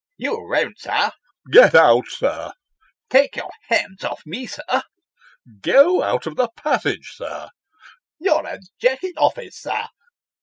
" You won't, sir." ' Go out, sir." ' Take your hands off me, sir." ' Go out of the passage, sir." 4 You're a Jack in office, sir."